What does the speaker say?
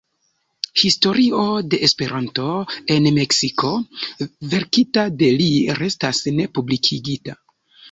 Historio de Esperanto en Meksiko, verkita de li, restas ne publikigita.